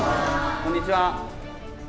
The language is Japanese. こんにちは。